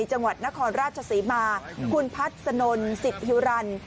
จังหวัดนครราชสีมาคุณพัฒน์สนสิทธิ์ฮิวรันท์